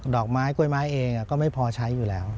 อกไม้กล้วยไม้เองก็ไม่พอใช้อยู่แล้ว